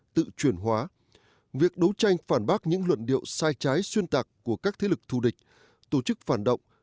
tự chuyển hóa việc đấu tranh phản bác những luận điệu sai trái xuyên tạc của các thế lực thù địch tổ chức phản động